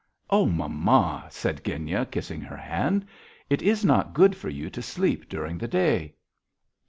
"O, mamma," said Genya, kissing her hand. "It is not good for you to sleep during the day."